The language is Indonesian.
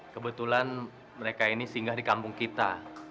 kebetulan mereka ini singgah di kampung kita